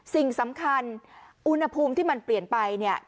สิ่งสำคัญอุณหภูมิที่มันเปลี่ยนไปเนี่ย